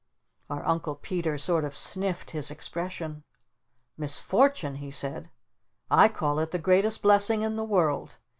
Our Uncle Peter sort of sniffed his expression. "Misfortune?" he said. "I call it the greatest blessing in the world!"